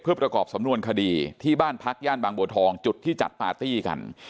เพื่อประกอบสำนวนคดีที่บ้านพักย่านบางบัวทองจุดที่จัดปาร์ตี้กัน